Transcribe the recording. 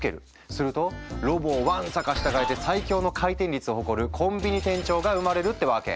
するとロボをわんさか従えて最強の回転率を誇るコンビニ店長が生まれるってわけ。